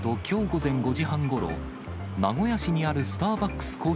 きょう午前５時半ごろ、名古屋市にあるスターバックス